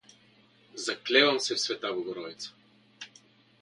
— Заклевам се в света Богородица.